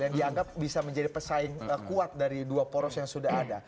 yang dianggap bisa menjadi pesaing kuat dari dua poros yang sudah ada